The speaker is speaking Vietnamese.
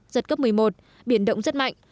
giật cấp một mươi một biển động rất mạnh